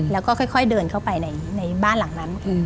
แล้วก็ค่อยเดินเข้าไปในบ้านหลังนั้น